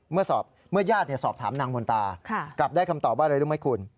เมื่อญาติสอบถามนางมนตากลับได้คำตอบว่าอะไรรู้ไหมคุณ